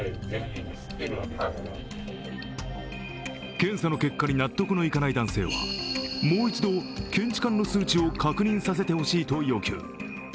検査の結果に納得のいかない男性はもう一度、検知管の数値を確認させてほしいと要求。